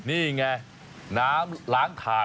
นี่ไงน้ำล้างถาด